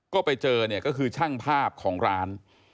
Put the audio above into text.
ก็ไปเจอเนี่ยก็คือช่างภาพของร้าน